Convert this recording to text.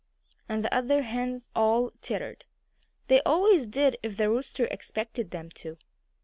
And the other hens all tittered. They always did, if the rooster expected them to.